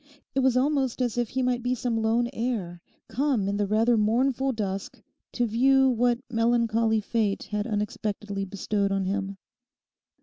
It was almost as if he might be some lone heir come in the rather mournful dusk to view what melancholy fate had unexpectedly bestowed on him.